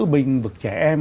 bình vực trẻ em